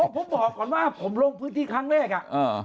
ผมบอกก่อนว่าผมลงพื้นที่ครั้งแรก